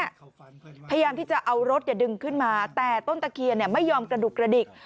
พยายามที่จะเอารถดึงขึ้นมาแต่ต้นตะเคียนไม่ยอมกระดุกกระดิก